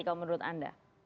kalau menurut anda